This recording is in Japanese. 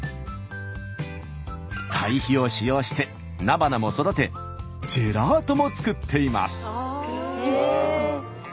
たい肥を使用して菜花も育てジェラートも作っています。